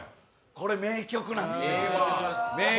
これ、名曲なんです。